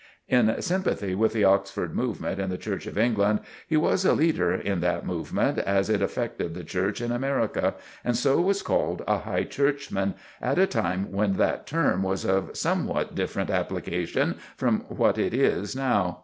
In sympathy with the Oxford movement in the Church of England, he was a leader in that movement as it affected the Church in America, and so was called a "High Churchman," at a time when that term was of somewhat different application from what it is now.